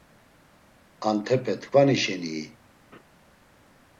Antepe tkvani şenii?